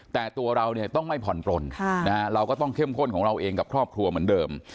แต่ตัวเราเนี่ยต้องไม่ผ่อนปลนเราก็ต้องเข้มข้นของเราเองกับครอบครัวเหมือนเดิม